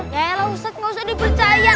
yaelah ustadz nggak usah dipercaya